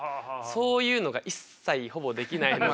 そういうのが一切ほぼできないので。